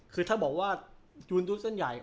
คือถ้าบอกว่ายูนตุ๊ดเส้นใหญ่